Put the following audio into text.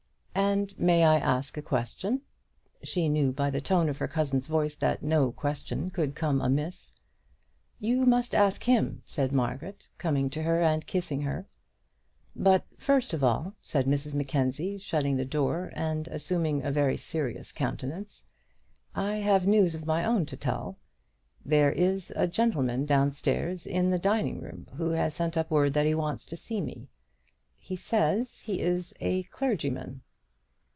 "And may I ask a question?" She knew by the tone of her cousin's voice that no question could come amiss. "You must ask him," said Margaret, coming to her and kissing her. "But, first of all," said Mrs Mackenzie, shutting the door and assuming a very serious countenance, "I have news of my own to tell. There is a gentleman downstairs in the dining room who has sent up word that he wants to see me. He says he is a clergyman."